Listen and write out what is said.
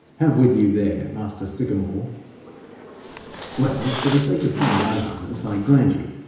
Have with you there, master Sycamore!' 'Well, for the sake of sound argument, I grant you.